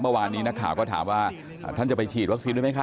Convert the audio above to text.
เมื่อวานนี้นักข่าวก็ถามว่าท่านจะไปฉีดวัคซีนด้วยไหมคะ